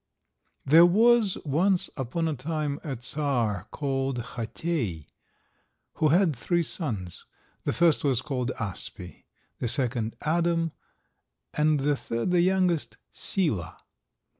THERE was once upon a time a Czar called Chotei, who had three sons. The first was called Aspe, the second Adam, and the third, the youngest, Sila.